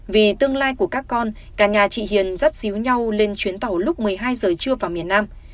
vì tương lai của các con cả nhà chị hiền rất xíu nhau lên chuyến tàu lúc một mươi hai giờ trưa vào miền nam